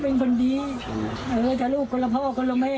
พี่จิ๊นเนี่ยหลานอย่างจะเต็มแล้วก็ลูกสาวออกมา